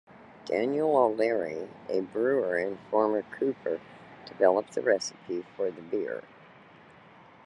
Daniel O'Leary, a brewer and former cooper, developed the recipe for the beer.